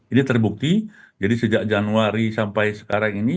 ini terbukti jadi sejak januari sampai sekarang ini